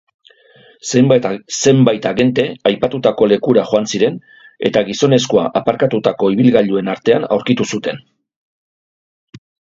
Zenbait agente aipatutako lekura joan ziren eta gizonezkoa aparkatutako ibilgailuen artean aurkitu zute.